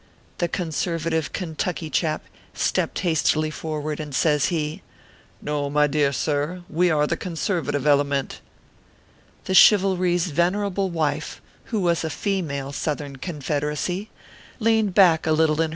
The conservative Kentucky chap stepped hastily forward, and says he : No, my dear sir, we are the conservative ele ment." The Chivalry s venerable wife, who was a female Southern Confederacy, leaned back a little in her 16* 370 ORPHEUS C.